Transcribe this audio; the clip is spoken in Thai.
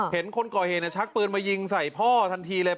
คนก่อเหตุชักปืนมายิงใส่พ่อทันทีเลย